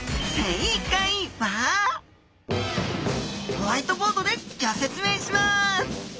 ホワイトボードでギョ説明します